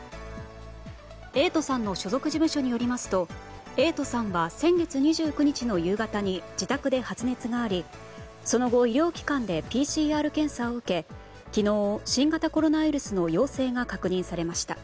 瑛人さんの所属事務所によりますと瑛人さんは先月２９日の夕方に自宅で発熱がありその後、医療機関でＰＣＲ検査を受け昨日、新型コロナウイルスの陽性が確認されました。